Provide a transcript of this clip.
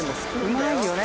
うまいよね。